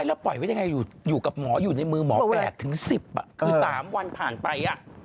แล้วปล่อยไว้ยังไงอยู่กับหมออยู่ในมือหมอ๘๑๐คือ๓วันผ่านไป